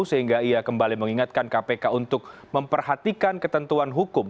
sehingga ia kembali mengingatkan kpk untuk memperhatikan ketentuan hukum